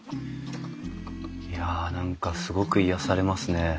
いや何かすごく癒やされますね。